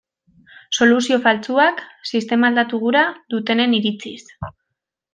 Soluzio faltsuak, sistema aldatu gura dutenen iritziz.